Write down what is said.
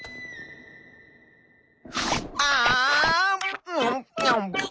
あん。